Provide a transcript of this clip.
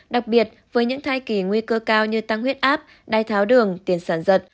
đặc biệt với những thai kỳ nguy cơ cao như tăng huyết áp đai tháo đường tiền sản giật